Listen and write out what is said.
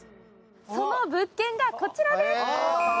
その物件がこちらです。